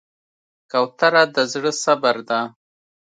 کوتره د زړه صبر ده.